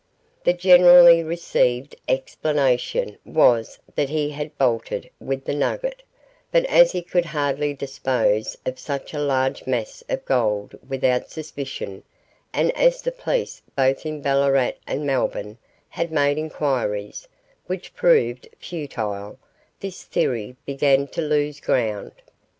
The generally received explanation was that he had bolted with the nugget, but as he could hardly dispose of such a large mass of gold without suspicion, and as the police both in Ballarat and Melbourne had made inquiries, which proved futile, this theory began to lose ground.